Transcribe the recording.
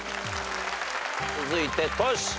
続いてトシ。